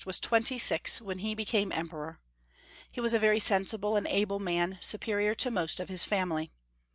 wa& twenty six when he became Emperor. He was a very sensible and able man, superior to most of his family.